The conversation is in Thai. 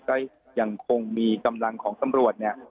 ก็ยังคงมีกำลังของตำรวจเนี่ย